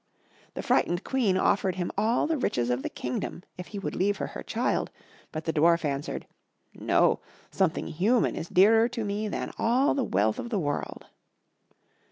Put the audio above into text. The frightened Queen offered him all the riches of the kingdom if he would leave her her child; but the Dwarf answered, "No; something human is dearer to me than all the wealth of the world."